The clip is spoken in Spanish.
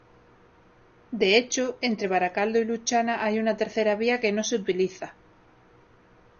De hecho entre Baracaldo y Luchana hay una tercera vía que no se utiliza.